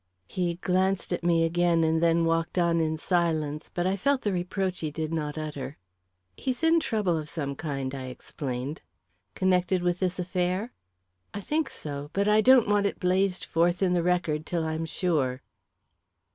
He glanced at me again, and then walked on in silence; but I felt the reproach he did not utter. "He's in trouble of some kind," I explained. "Connected with this affair?" "I think so. But I don't want it blazed forth in the Record till I'm sure."